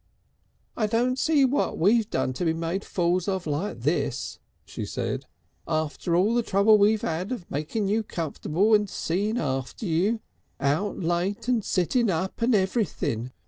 "I don't see what we've done to be made fools of like this," she said. "After all the trouble we've 'ad to make you comfortable and see after you. Out late and sitting up and everything.